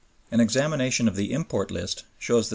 An examination of the import list shows that 63.